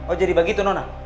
oh jadi begitu nona